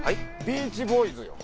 『ビーチボーイズ』よ。